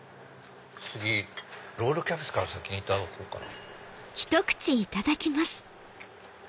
次ロールキャベツから先にいただこうかな。